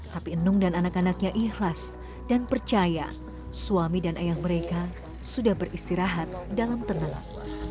tapi enung dan anak anaknya ikhlas dan percaya suami dan ayah mereka sudah beristirahat dalam tenang